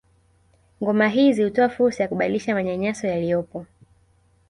Ngoma hizi hutoa fursa ya kubadilisha manyanyaso yaliyopo